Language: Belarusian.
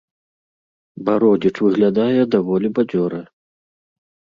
Бародзіч выглядае даволі бадзёра.